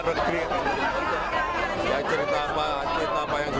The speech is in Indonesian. lagi lagi kita mengalir aja